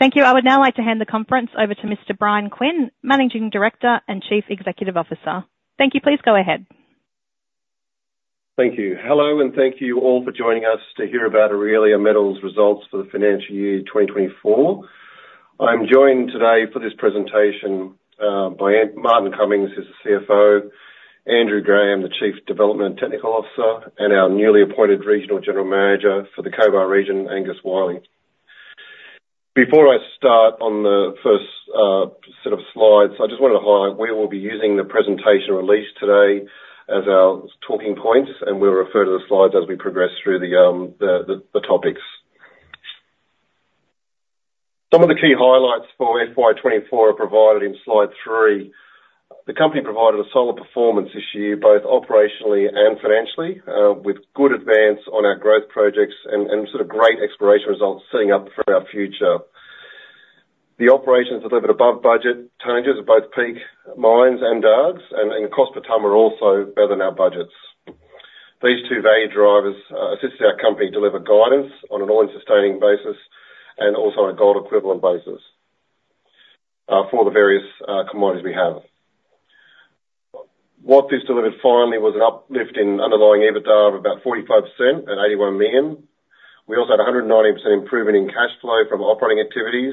Thank you. I would now like to hand the conference over to Mr. Bryan Quinn, Managing Director and Chief Executive Officer. Thank you. Please go ahead. Thank you. Hello, and thank you all for joining us to hear about Aurelia Metals' results for the financial year 2024. I'm joined today for this presentation by Martin Cummings, who's the CFO, Andrew Graham, the Chief Development Technical Officer, and our newly appointed Regional General Manager for the Cobar region, Angus Wyllie. Before I start on the first set of slides, I just want to highlight, we will be using the presentation release today as our talking points, and we'll refer to the slides as we progress through the topics. Some of the key highlights for FY 2024 are provided in slide 3. The company provided a solid performance this year, both operationally and financially, with good advance on our growth projects and sort of great exploration results setting up for our future. The operations delivered above budget tonnages at both Peak Mines and Dargues, and cost per ton were also better than our budgets. These two value drivers assisted our company deliver guidance on an all-in sustaining basis and also on a gold equivalent basis for the various commodities we have. What this delivered finally was an uplift in underlying EBITDA of about 45% and 81 million. We also had a 190% improvement in cash flow from operating activities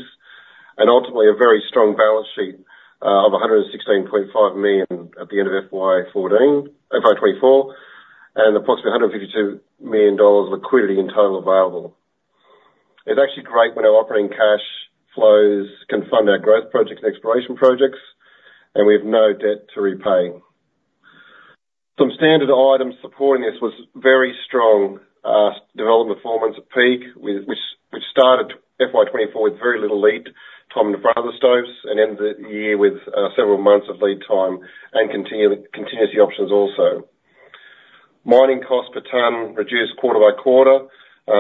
and ultimately a very strong balance sheet of 116.5 million at the end of FY 2024, and approximately 152 million dollars liquidity in total available. It's actually great when our operating cash flows can fund our growth projects and exploration projects, and we have no debt to repay. Some standard items supporting this was very strong development performance at Peak, which started FY 2024 with very little lead time in front of the stopes, and ended the year with several months of lead time and continuing options also. Mining costs per ton reduced quarter by quarter,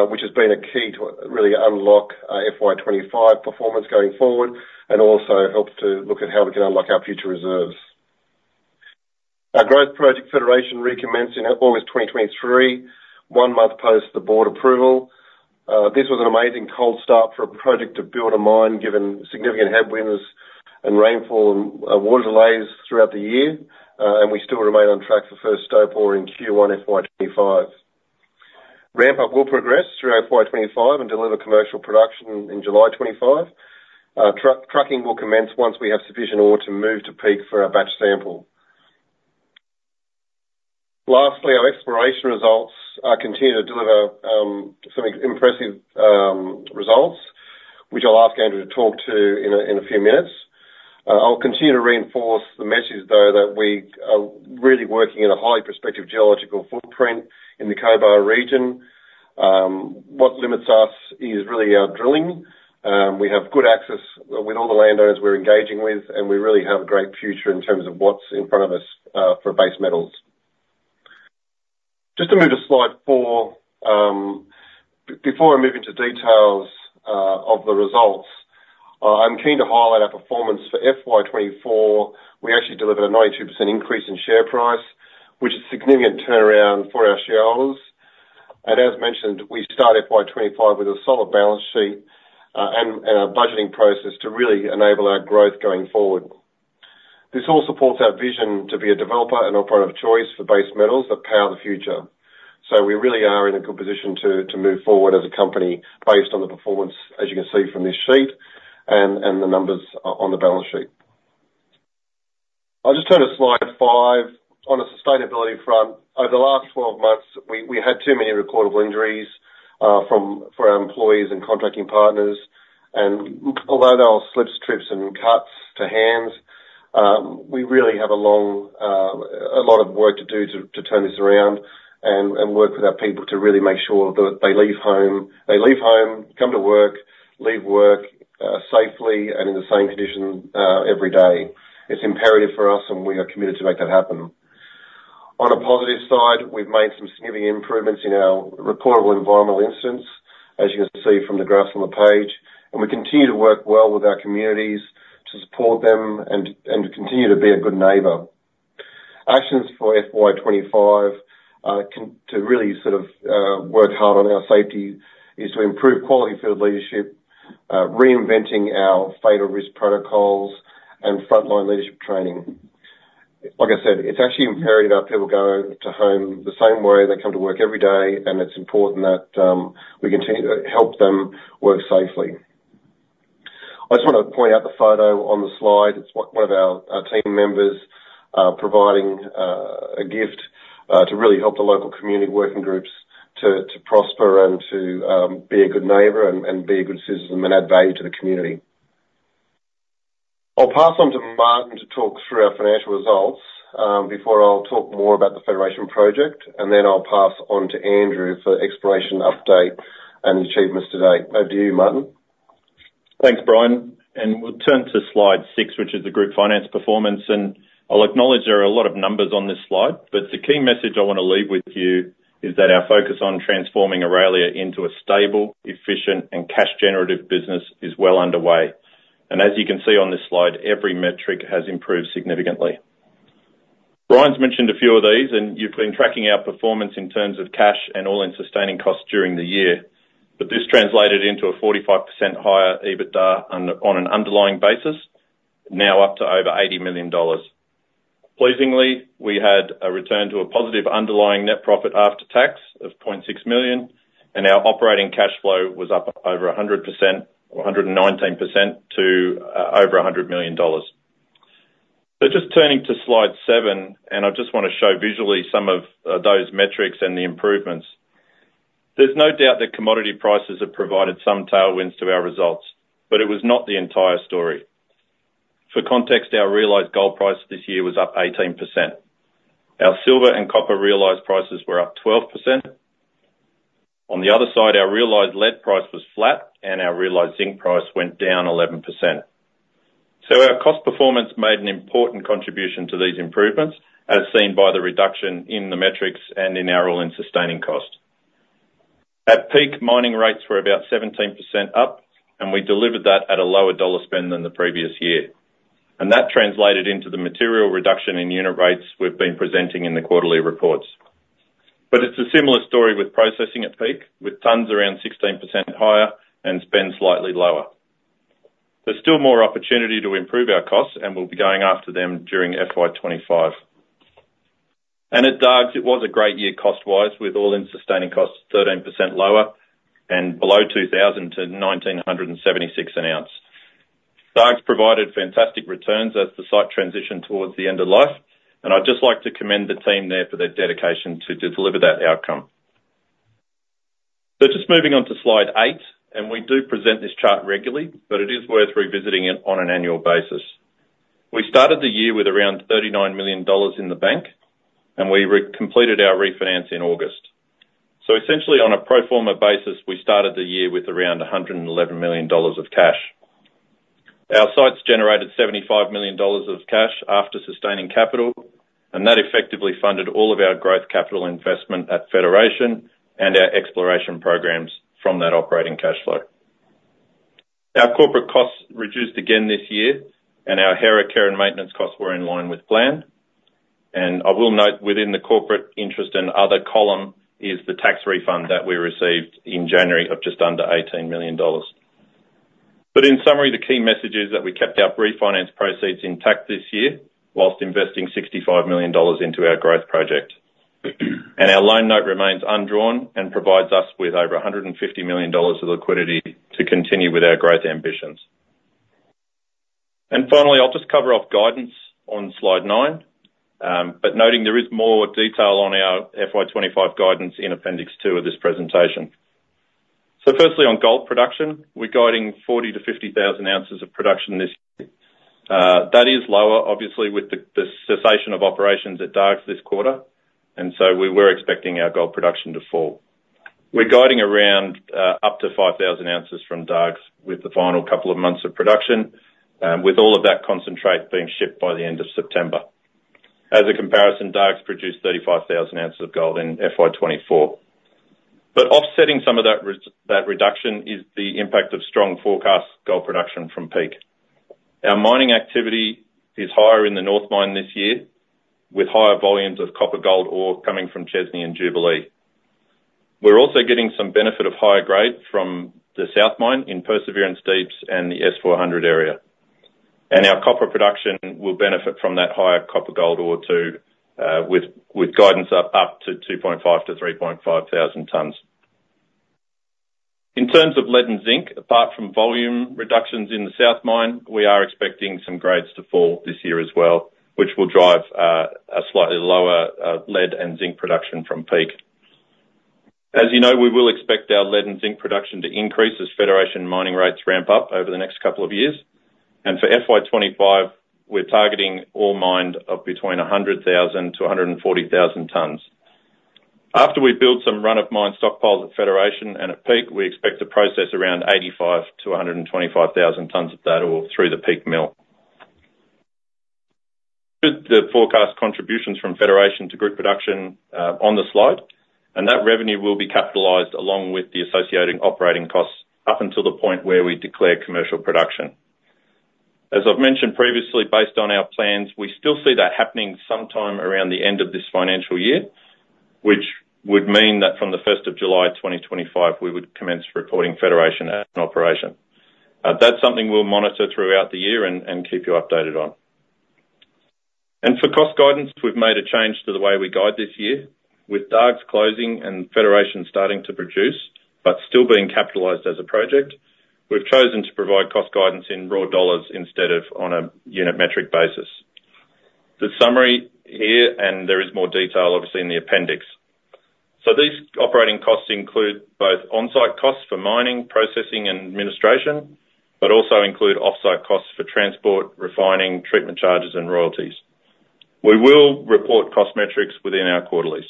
which has been a key to really unlock FY 2025 performance going forward, and also helps to look at how we can unlock our future reserves. Our growth project Federation recommenced in August 2023, one month post the board approval. This was an amazing cold start for a project to build a mine, given significant headwinds and rainfall and water delays throughout the year, and we still remain on track for first stope ore in Q1 FY 2025. Ramp up will progress through FY 2025 and deliver commercial production in July 2025. Trucking will commence once we have sufficient ore to move to Peak for our batch sample. Lastly, our exploration results continue to deliver some impressive results, which I'll ask Andrew to talk to in a few minutes. I'll continue to reinforce the message, though, that we are really working in a highly prospective geological footprint in the Cobar region. What limits us is really our drilling. We have good access with all the landowners we're engaging with, and we really have a great future in terms of what's in front of us for base metals. Just to move to slide four, before I move into details of the results, I'm keen to highlight our performance for FY 2024. We actually delivered a 92% increase in share price, which is a significant turnaround for our shareholders. As mentioned, we've started FY 2025 with a solid balance sheet and a budgeting process to really enable our growth going forward. This all supports our vision to be a developer and operator of choice for base metals that power the future. We really are in a good position to move forward as a company, based on the performance, as you can see from this sheet, and the numbers on the balance sheet. I'll just turn to slide five. On a sustainability front, over the last twelve months, we had too many recordable injuries for our employees and contracting partners, and although they were slips, trips, and cuts to hands, we really have a lot of work to do to turn this around and work with our people to really make sure that they leave home. They leave home, come to work, leave work safely and in the same condition every day. It's imperative for us, and we are committed to make that happen. On a positive side, we've made some significant improvements in our reportable environmental incidents, as you can see from the graphs on the page, and we continue to work well with our communities to support them and continue to be a good neighbor. Actions for FY 2025, to really sort of work hard on our safety, is to improve quality field leadership, reinventing our fatal risk protocols, and frontline leadership training. Like I said, it's actually imperative our people go to home the same way they come to work every day, and it's important that we continue to help them work safely. I just want to point out the photo on the slide. It's one of our team members providing a gift to really help the local community working groups to prosper and to be a good neighbor and be a good citizen and add value to the community. I'll pass on to Martin to talk through our financial results, before I'll talk more about the Federation project, and then I'll pass on to Andrew for exploration update and achievements today. Over to you, Martin. Thanks, Bryan, and we'll turn to slide six, which is the group finance performance. I'll acknowledge there are a lot of numbers on this slide, but the key message I want to leave with you is that our focus on transforming Aurelia into a stable, efficient, and cash-generative business is well underway. As you can see on this slide, every metric has improved significantly. Bryan's mentioned a few of these, and you've been tracking our performance in terms of cash and all-in sustaining cost during the year. This translated into a 45% higher EBITDA on an underlying basis, now up to over 80 million dollars. Pleasingly, we had a return to a positive underlying net profit after tax of 0.6 million, and our operating cash flow was up over 100% or 119% to over 100 million dollars. So just turning to slide 7, and I just wanna show visually some of those metrics and the improvements. There's no doubt that commodity prices have provided some tailwinds to our results, but it was not the entire story. For context, our realized gold price this year was up 18%. Our silver and copper realized prices were up 12%. On the other side, our realized lead price was flat, and our realized zinc price went down 11%. So our cost performance made an important contribution to these improvements, as seen by the reduction in the metrics and in our all-in sustaining cost. At Peak, mining rates were about 17% up, and we delivered that at a lower dollar spend than the previous year, and that translated into the material reduction in unit rates we've been presenting in the quarterly reports. But it's a similar story with processing at Peak, with tons around 16% higher and spend slightly lower. There's still more opportunity to improve our costs, and we'll be going after them during FY 2025. And at Dargues, it was a great year cost-wise, with all-in sustaining costs 13% lower and below 2,000 to 1,976 an ounce. Dargues provided fantastic returns as the site transitioned towards the end of life, and I'd just like to commend the team there for their dedication to deliver that outcome. So just moving on to slide 8, and we do present this chart regularly, but it is worth revisiting it on an annual basis. We started the year with around 39 million dollars in the bank, and we completed our refinance in August. So essentially, on a pro forma basis, we started the year with around 111 million dollars of cash. Our sites generated 75 million dollars of cash after sustaining capital, and that effectively funded all of our growth capital investment at Federation and our exploration programs from that operating cash flow. Our corporate costs reduced again this year, and our care and maintenance costs were in line with plan. And I will note, within the corporate interest and other column is the tax refund that we received in January of just under 18 million dollars. But in summary, the key message is that we kept our refinance proceeds intact this year, whilst investing 65 million dollars into our growth project. And our loan note remains undrawn and provides us with over 150 million dollars of liquidity to continue with our growth ambitions. And finally, I'll just cover off guidance on slide 9, but noting there is more detail on our FY 2025 guidance in appendix 2 of this presentation. So firstly, on gold production, we're guiding 40,000 oz-50,000 oz of production this year. That is lower, obviously, with the cessation of operations at Dargues this quarter, and so we were expecting our gold production to fall. We're guiding around up to 5,000 oz from Dargues with the final couple of months of production, with all of that concentrate being shipped by the end of September. As a comparison, Dargues produced 35,000 oz of gold in FY 2024. But offsetting some of that that reduction is the impact of strong forecast gold production from Peak. Our mining activity is higher in the North Mine this year, with higher volumes of copper gold ore coming from Chesney and Jubilee. We're also getting some benefit of higher grade from the South Mine in Perseverance Deeps and the S400 area. And our copper production will benefit from that higher copper gold ore with guidance up to 2.5-3.5 thousand tons. In terms of lead and zinc, apart from volume reductions in the South Mine, we are expecting some grades to fall this year as well, which will drive a slightly lower lead and zinc production from Peak. As you know, we will expect our lead and zinc production to increase as Federation mining rates ramp up over the next couple of years, and for FY 2025, we're targeting ore mined of between 100,000-140,000 tons. After we've built some run-of-mine stockpiles at Federation and at Peak, we expect to process around 85,000-125,000 tons of that ore through the Peak mill. The forecast contributions from Federation to group production on the slide, and that revenue will be capitalized along with the associated operating costs up until the point where we declare commercial production. As I've mentioned previously, based on our plans, we still see that happening sometime around the end of this financial year, which would mean that from the 1st of July, 2025, we would commence reporting Federation as an operation. That's something we'll monitor throughout the year and keep you updated on. And for cost guidance, we've made a change to the way we guide this year. With Dargues' closing and Federation starting to produce, but still being capitalized as a project, we've chosen to provide cost guidance in raw dollars instead of on a unit metric basis. The summary here, and there is more detail, obviously, in the appendix. So these operating costs include both onsite costs for mining, processing, and administration, but also include offsite costs for transport, refining, treatment charges, and royalties. We will report cost metrics within our quarterlies.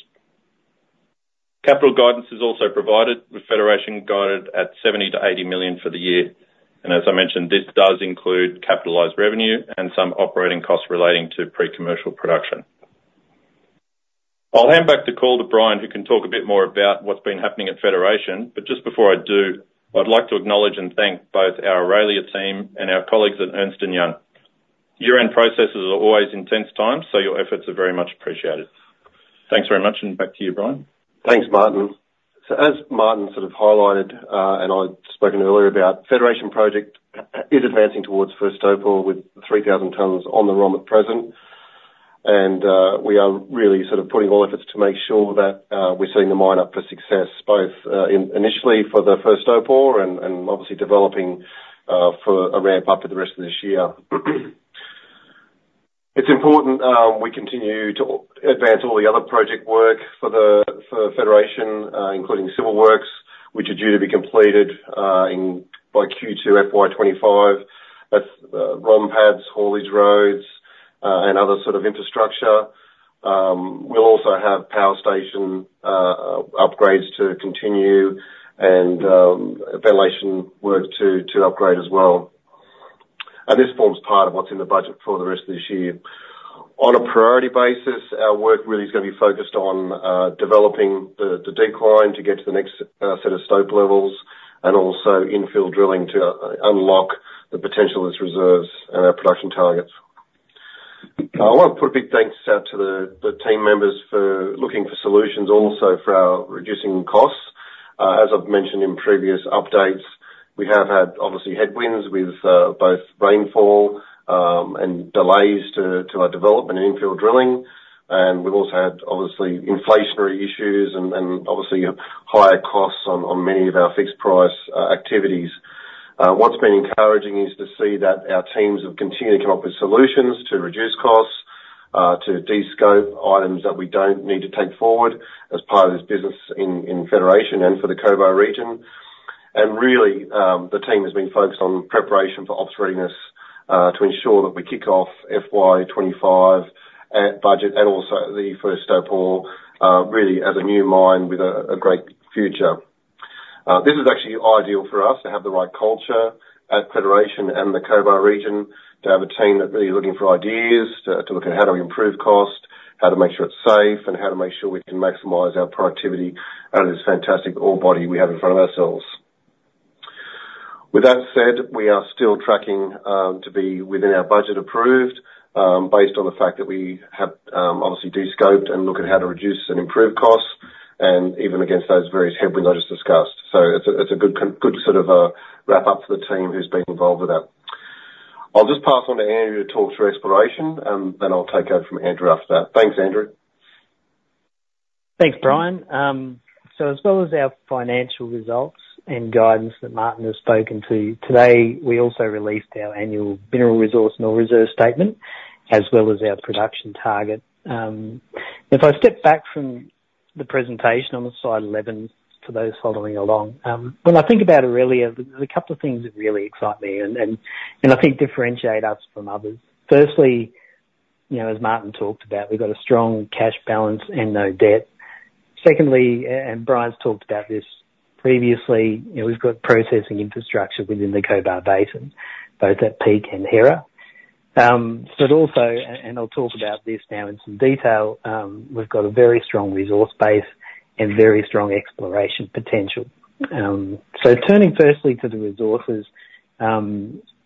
Capital guidance is also provided, with Federation guided at 70 million-80 million for the year, and as I mentioned, this does include capitalized revenue and some operating costs relating to pre-commercial production. I'll hand back the call to Bryan, who can talk a bit more about what's been happening at Federation. But just before I do, I'd like to acknowledge and thank both our Aurelia team and our colleagues at Ernst & Young. Year-end processes are always intense times, so your efforts are very much appreciated. Thanks very much, and back to you, Bryan. Thanks, Martin. So as Martin sort of highlighted, and I'd spoken earlier about, Federation Project is advancing towards first ore with 3,000 tons on the ROM at present. And we are really sort of putting all efforts to make sure that we're setting the mine up for success, both initially for the first ore, and obviously developing for a ramp up for the rest of this year. It's important we continue to advance all the other project work for the Federation, including civil works, which are due to be completed by Q2 FY 2025. That's ROM pads, haulage roads, and other sort of infrastructure. We'll also have power station upgrades to continue and ventilation work to upgrade as well. This forms part of what's in the budget for the rest of this year. On a priority basis, our work really is gonna be focused on developing the decline to get to the next set of stope levels, and also infill drilling to unlock the potential of its reserves and our production targets. I want to put a big thanks out to the team members for looking for solutions, also for our reducing costs. As I've mentioned in previous updates, we have had obviously headwinds with both rainfall and delays to our development and infill drilling. We've also had, obviously, inflationary issues and obviously higher costs on many of our fixed price activities. What's been encouraging is to see that our teams have continued to come up with solutions to reduce costs, to descope items that we don't need to take forward as part of this business in Federation and for the Cobar region. And really, the team has been focused on preparation for ops readiness, to ensure that we kick off FY 2025 at budget and also the first ore, really as a new mine with a great future. This is actually ideal for us to have the right culture at Federation and the Cobar region, to have a team that's really looking for ideas, to look at how do we improve cost, how to make sure it's safe, and how to make sure we can maximize our productivity out of this fantastic ore body we have in front of ourselves. With that said, we are still tracking to be within our budget approved, based on the fact that we have obviously descoped and look at how to reduce and improve costs, and even against those various headwinds I just discussed. It's a good sort of wrap-up for the team who's been involved with that. I'll just pass on to Andrew to talk through exploration, and then I'll take over from Andrew after that. Thanks, Andrew. Thanks, Bryan, so as well as our financial results and guidance that Martin has spoken to today, we also released our annual mineral resource and reserve statement, as well as our production target. If I step back from the presentation on the slide eleven, to those following along, when I think about Aurelia, there's a couple of things that really excite me and I think differentiate us from others. Firstly, you know, as Martin talked about, we've got a strong cash balance and no debt. Secondly, and Bryan's talked about this previously, you know, we've got processing infrastructure within the Cobar Basin, both at Peak and Hera. But also, and I'll talk about this now in some detail, we've got a very strong resource base and very strong exploration potential. So turning firstly to the resources,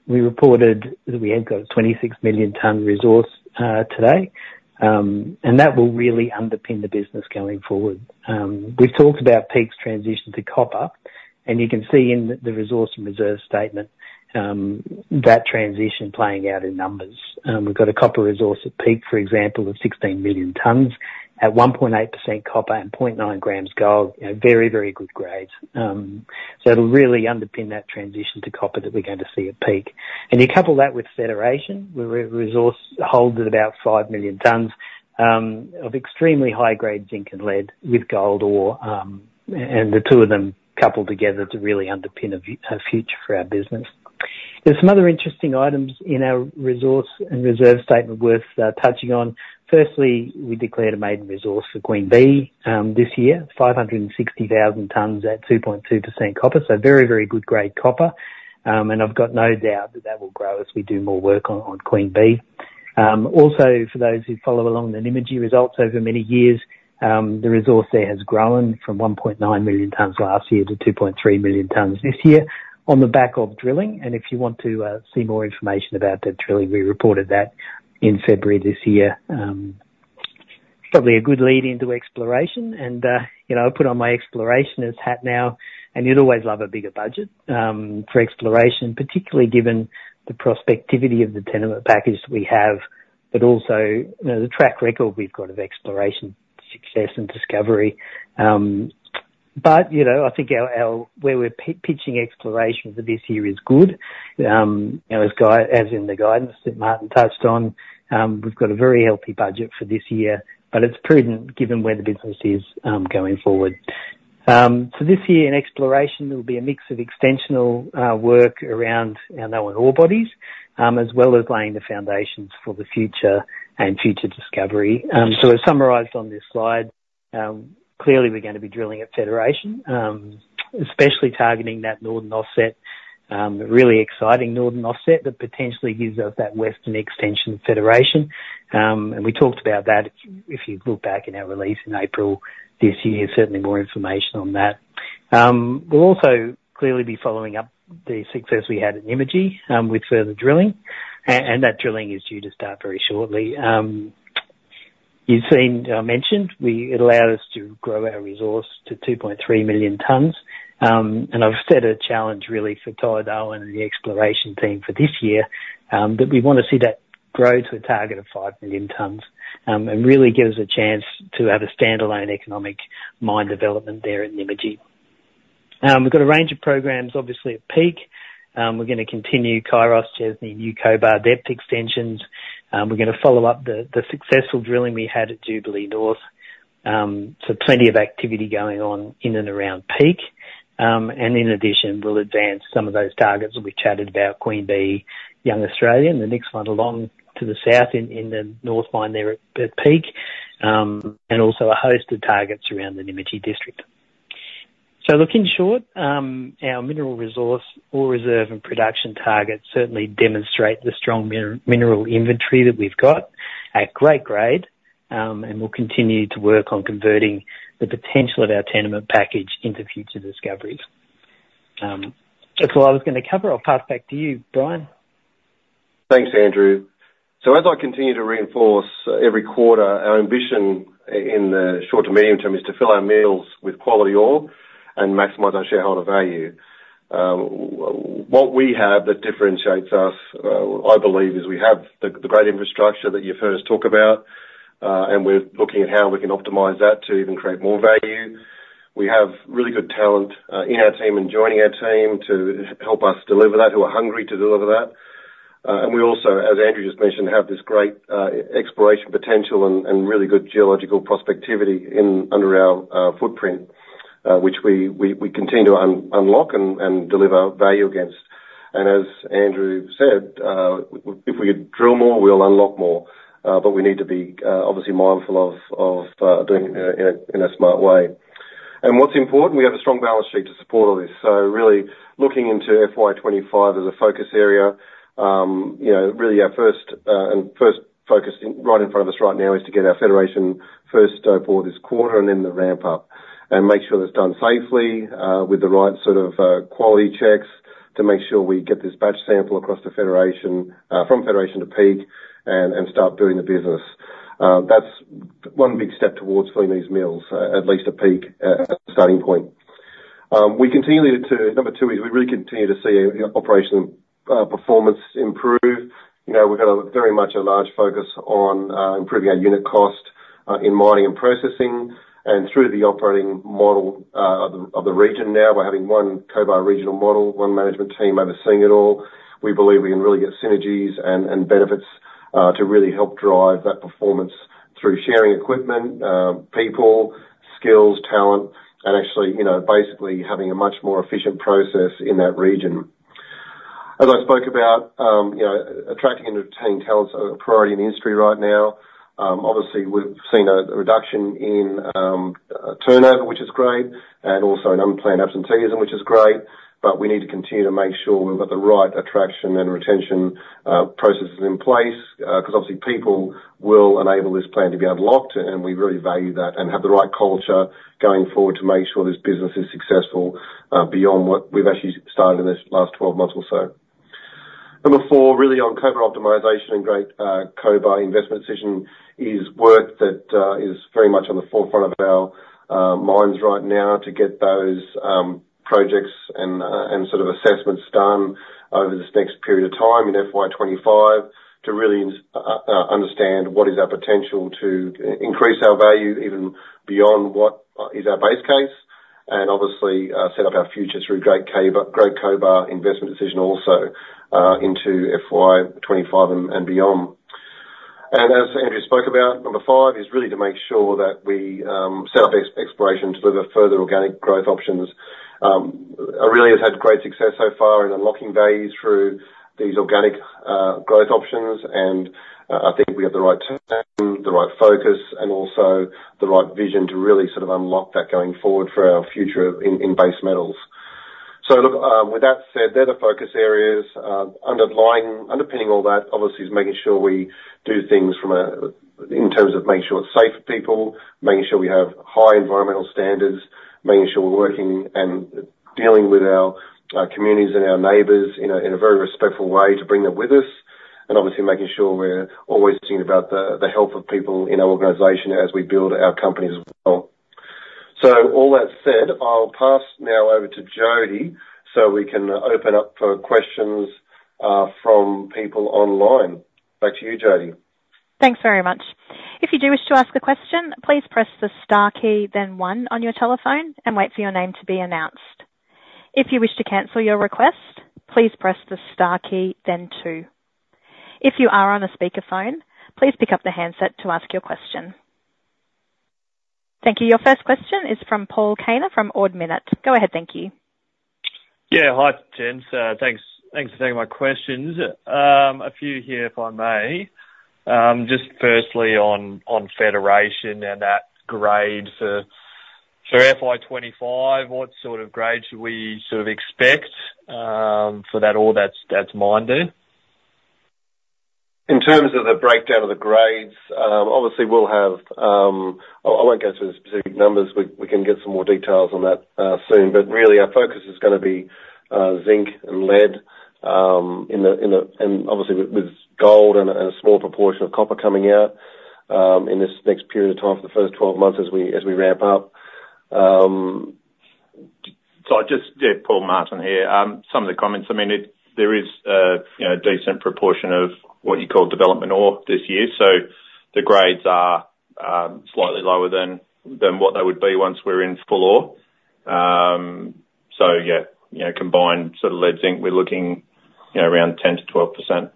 we reported that we have got a 26 million ton resource today, and that will really underpin the business going forward. We've talked about Peak's transition to copper, and you can see in the resource and reserve statement that transition playing out in numbers. We've got a copper resource at Peak, for example, of 16 million tons at 1.8% copper and 0.9 g gold. You know, very, very good grades. So it'll really underpin that transition to copper that we're going to see at Peak. And you couple that with Federation, resource holds at about 5 million tons of extremely high-grade zinc and lead with gold ore, and the two of them coupled together to really underpin a future for our business. There's some other interesting items in our resource and reserve statement worth touching on. Firstly, we declared a maiden resource for Queen Bee this year, 560,000 tons at 2.2% copper, so very, very good grade copper. And I've got no doubt that that will grow as we do more work on Queen Bee. Also, for those who follow along the Nymagee results over many years, the resource there has grown from 1.9 million tons last year to 2.3 million tons this year on the back of drilling. And if you want to see more information about that drilling, we reported that in February this year. Probably a good lead into exploration and, you know, I'll put on my explorationist hat now, and you'd always love a bigger budget for exploration, particularly given the prospectivity of the tenement package we have, but also, you know, the track record we've got of exploration success and discovery. But, you know, I think where we're pitching exploration for this year is good. You know, as in the guidance that Martin touched on, we've got a very healthy budget for this year, but it's prudent given where the business is going forward. So this year in exploration, there will be a mix of extensional work around our known ore bodies, as well as laying the foundations for the future and future discovery. So as summarized on this slide. Clearly, we're gonna be drilling at Federation, especially targeting that northern offset, really exciting northern offset that potentially gives us that western extension of Federation. And we talked about that. If you look back in our release in April this year, certainly more information on that. We'll also clearly be following up the success we had at Nymagee, with further drilling. And that drilling is due to start very shortly. You've seen, I mentioned, it allowed us to grow our resource to 2.3 million tons. And I've set a challenge really for Todd and Allan and the exploration team for this year, that we want to see that grow to a target of 5 million tons. And really give us a chance to have a standalone economic mine development there at Nymagee. We've got a range of programs, obviously, at Peak. We're gonna continue Kairos, Chesney, New Cobar depth extensions. We're gonna follow up the successful drilling we had at Jubilee North. So plenty of activity going on in and around Peak. And in addition, we'll advance some of those targets that we chatted about, Queen Bee, Young Australian, the next one along to the south in the North Mine there at Peak, and also a host of targets around the Nymagee District. So look, in short, our mineral resource, ore reserve, and production targets certainly demonstrate the strong mineral inventory that we've got at great grade. And we'll continue to work on converting the potential of our tenement package into future discoveries. That's all I was gonna cover. I'll pass back to you, Bryan. Thanks, Andrew. So as I continue to reinforce every quarter, our ambition in the short to medium term is to fill our mills with quality ore and maximize our shareholder value. What we have that differentiates us, I believe, is we have the great infrastructure that you've heard us talk about, and we're looking at how we can optimize that to even create more value. We have really good talent in our team and joining our team to help us deliver that, who are hungry to deliver that. And we also, as Andrew just mentioned, have this great exploration potential and really good geological prospectivity in under our footprint, which we continue to unlock and deliver value against. And as Andrew said, if we drill more, we'll unlock more. But we need to be obviously mindful of doing it in a smart way. And what's important, we have a strong balance sheet to support all this. So really, looking into FY 2025 as a focus area, you know, really our first focus in right in front of us right now is to get our Federation first stope ore this quarter, and then the ramp up. And make sure that's done safely, with the right sort of quality checks to make sure we get this bulk sample across the Federation, from Federation to Peak and start doing the business. That's one big step towards filling these mills, at least at Peak, at the starting point. We continue to. Number two is we really continue to see operational performance improve. You know, we've got a very much a large focus on improving our unit cost in mining and processing, and through the operating model of the region now, by having one Cobar regional model, one management team overseeing it all. We believe we can really get synergies and benefits to really help drive that performance through sharing equipment, people, skills, talent, and actually, you know, basically having a much more efficient process in that region. As I spoke about, you know, attracting and retaining talent is a priority in the industry right now. Obviously, we've seen a reduction in turnover, which is great, and also in unplanned absenteeism, which is great, but we need to continue to make sure we've got the right attraction and retention processes in place. Because obviously, people will enable this plan to be unlocked, and we really value that and have the right culture going forward to make sure this business is successful, beyond what we've actually started in this last twelve months or so. Number four, really on corporate optimization and great Cobar investment decision is work that is very much on the forefront of our minds right now, to get those projects and sort of assessments done over this next period of time, in FY 2025, to really understand what is our potential to increase our value even beyond what is our base case, and obviously set up our future through Great Cobar investment decision also into FY 2025 and beyond. And as Andrew spoke about, number five is really to make sure that we set up exploration to deliver further organic growth options. Aurelia has had great success so far in unlocking value through these organic growth options, and I think we have the right team, the right focus, and also the right vision to really sort of unlock that going forward for our future in base metals. So look, with that said, they're the focus areas. Underpinning all that, obviously, is making sure we do things from. In terms of making sure it's safe for people, making sure we have high environmental standards, making sure we're working and dealing with our communities and our neighbors in a very respectful way to bring them with us, and obviously making sure we're always thinking about the health of people in our organization as we build our company as well. So all that said, I'll pass now over to Jodie, so we can open up for questions from people online. Back to you, Jodie. Thanks very much. If you do wish to ask a question, please press the star key, then one on your telephone and wait for your name to be announced. If you wish to cancel your request, please press the star key, then two. If you are on a speakerphone, please pick up the handset to ask your question. Thank you. Your first question is from Paul Kaner, from Ord Minnett. Go ahead, thank you. Yeah, hi, gents. So thanks for taking my questions. A few here, if I may. Just firstly on Federation and that grade for FY 2025, what sort of grade should we sort of expect for that ore that's mining? In terms of the breakdown of the grades, obviously we'll have. I won't go through the specific numbers. We can get some more details on that soon. But really, our focus is gonna be zinc and lead, and obviously with gold and a small proportion of copper coming out in this next period of time for the first 12 months as we ramp up. Yeah, Paul. Martin here. Some of the comments, I mean, there is a decent proportion of what you call development ore this year, so the grades are slightly lower than what they would be once we're in full ore. So yeah, you know, combined sort of lead, zinc, we're looking, you know, around 10%-12%.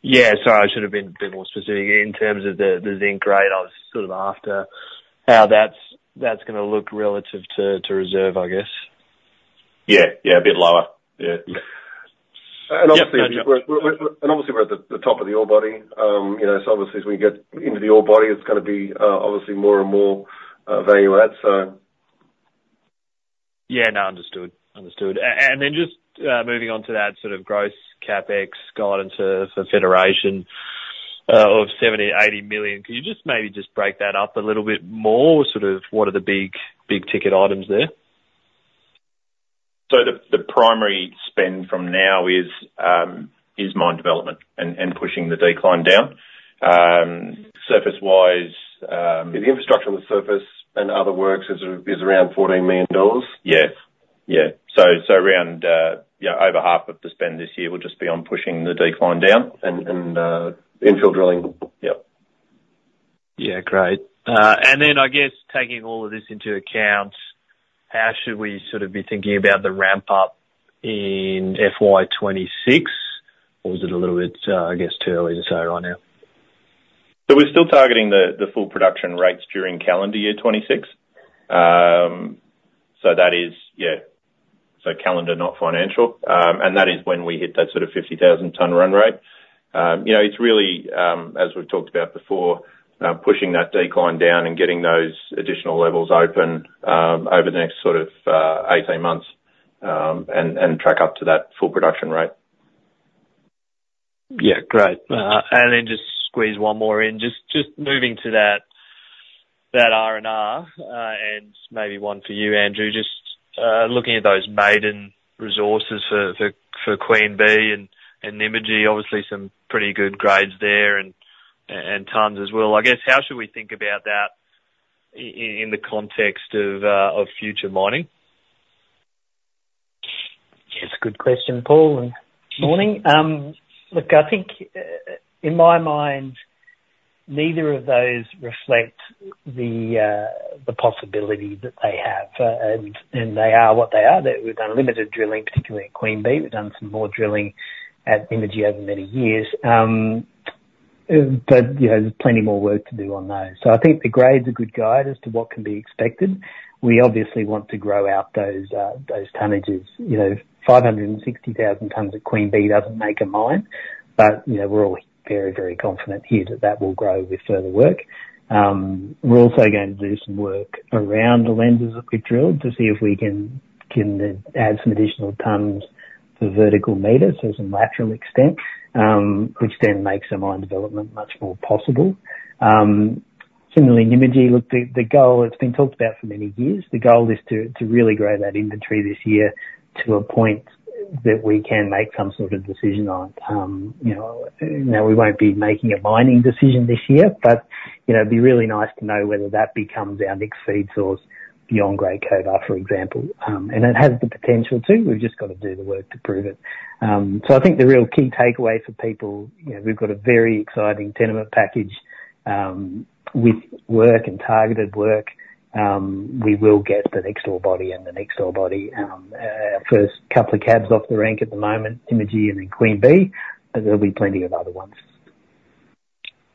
Yeah. So I should have been a bit more specific. In terms of the zinc grade, I was sort of after how that's gonna look relative to reserve, I guess. Yeah. Yeah, a bit lower. Yeah. And obviously, we're at the top of the ore body. You know, so obviously as we get into the ore body, it's gonna be obviously more and more value add, so. Yeah. No, understood. Understood. And then just moving on to that sort of gross CapEx guidance for Federation of 70 million, 80 million, could you just maybe just break that up a little bit more? Sort of, what are the big, big-ticket items there? So the primary spend from now is mine development and pushing the decline down. Surface-wise, The infrastructure on the surface and other works is around 14 million dollars. Yes. Yeah. So around, yeah, over half of the spend this year will just be on pushing the decline down. Infill drilling. Yep. Yeah. Great. And then, I guess, taking all of this into account, how should we sort of be thinking about the ramp up in FY 2026, or is it a little bit, I guess, too early to say right now? We're still targeting the full production rates during calendar year 2026. Yeah, so calendar, not financial. And that is when we hit that sort of 50,000 ton run rate. You know, it's really, as we've talked about before, pushing that decline down and getting those additional levels open, over the next sort of 18 months, and track up to that full production rate. Yeah. Great. And then just squeeze one more in. Just moving to that R&R, and maybe one for you, Andrew, just looking at those maiden resources for Queen Bee and Nymagee, obviously some pretty good grades there and tons as well. I guess, how should we think about that in the context of future mining? Yeah, it's a good question, Paul, and morning. Look, I think in my mind, neither of those reflect the possibility that they have, and they are what they are. We've done limited drilling, particularly at Queen Bee. We've done some more drilling at Nymagee over many years, but you know, there's plenty more work to do on those, so I think the grades are a good guide as to what can be expected. We obviously want to grow out those tonnages. You know, 560,000 tons of Queen Bee doesn't make a mine, but you know, we're all very, very confident here that that will grow with further work. We're also going to do some work around the lenses that we've drilled to see if we can add some additional tons to vertical meters as a lateral extent, which then makes the mine development much more possible. Similarly, Nymagee, look, the goal it's been talked about for many years. The goal is to really grow that inventory this year, to a point that we can make some sort of decision on. You know, now, we won't be making a mining decision this year, but, you know, it'd be really nice to know whether that becomes our next feed source beyond Great Cobar, for example. And it has the potential to, we've just got to do the work to prove it. So, I think the real key takeaway for people, you know, we've got a very exciting tenement package with work and targeted work, we will get the next ore body and the next ore body. First couple of cabs off the rank at the moment, Nymagee and then Queen Bee, but there'll be plenty of other ones.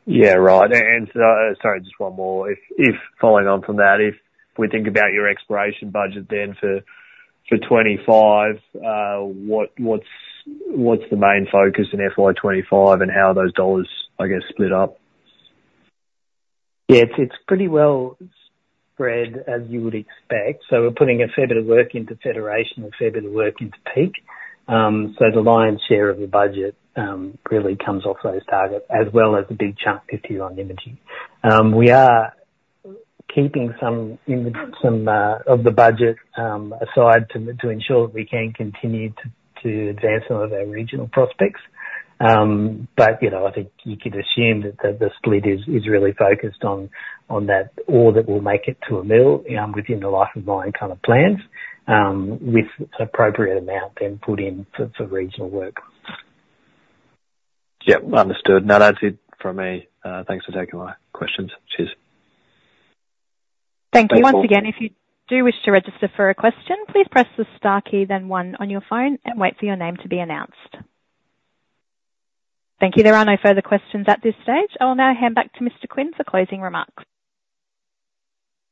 Yeah. Right. And sorry, just one more. If following on from that, if we think about your exploration budget then for 2025, what's the main focus in FY 2025 and how are those dollars, I guess, split up? Yeah, it's pretty well spread, as you would expect. So we're putting a fair bit of work into Federation, a fair bit of work into Peak. So the lion's share of the budget really comes off those targets, as well as a big chunk, 50, on Nymagee. We are keeping some of the budget aside to ensure that we can continue to advance some of our regional prospects. But you know, I think you could assume that the split is really focused on that ore that will make it to a mill, within the life of mine kind of plans, with an appropriate amount then put in for regional work. Yep. Understood. Now, that's it from me. Thanks for taking my questions. Cheers. Thank you. Once again, if you do wish to register for a question, please press the star key, then one on your phone and wait for your name to be announced. Thank you. There are no further questions at this stage. I will now hand back to Mr. Quinn for closing remarks.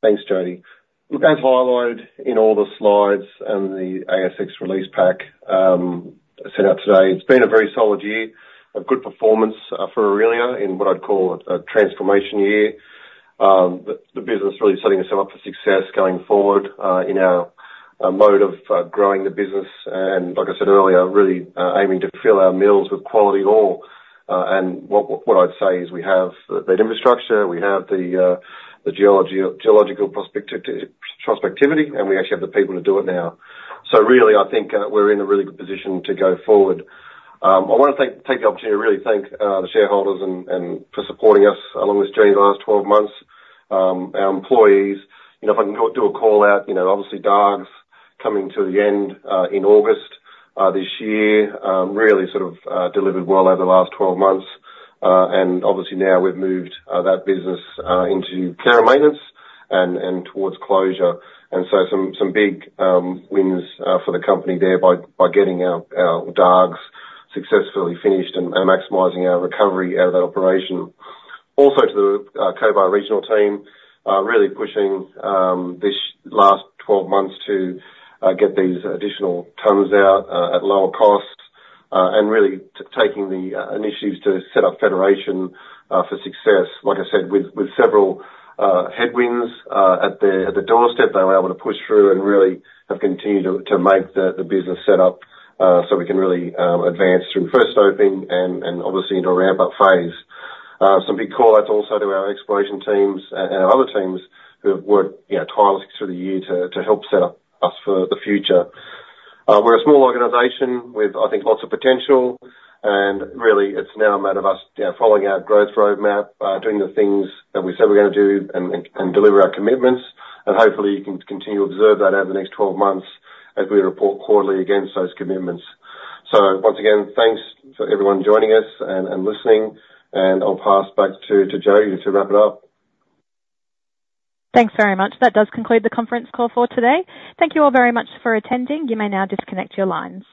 Thanks, Jodie. Look, as highlighted in all the slides and the ASX release pack, sent out today, it's been a very solid year, a good performance, for Aurelia in what I'd call a transformation year. The business really setting us up for success going forward, in our mode of growing the business, and like I said earlier, really aiming to fill our mills with quality ore. And what I'd say is we have the infrastructure, we have the geological prospectivity, and we actually have the people to do it now. So really, I think, we're in a really good position to go forward. I want to thank the opportunity to really thank the shareholders and for supporting us along this journey the last 12 months. Our employees, you know, if I can do a call out, you know, obviously Dargues, coming to the end in August this year, really sort of delivered well over the last twelve months. And obviously now we've moved that business into care and maintenance and towards closure. And so some big wins for the company there by getting our Dargues successfully finished and maximizing our recovery out of that operation. Also, to the Cobar regional team, really pushing this last 12 months to get these additional tons out at lower costs and really taking the initiatives to set up Federation for success. Like I said, with several headwinds at the doorstep, they were able to push through and really have continued to make the business set up so we can really advance through first opening and obviously into a ramp-up phase. Some big call-outs also to our exploration teams and our other teams who have worked, you know, tirelessly through the year to help set up us for the future. We're a small organization with, I think, lots of potential, and really it's now a matter of us, you know, following our growth roadmap, doing the things that we said we're gonna do and deliver our commitments. Hopefully you can continue to observe that over the next twelve months as we report quarterly against those commitments. So once again, thanks for everyone joining us and listening, and I'll pass back to Jodie to wrap it up. Thanks very much. That does conclude the conference call for today. Thank you all very much for attending. You may now disconnect your lines.